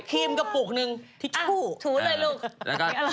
ถิ่มกระปุกนึงที่ชู่อะชัวส์เลยลูก